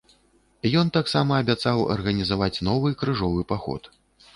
Ён таксама абяцаў арганізаваць новы крыжовы паход.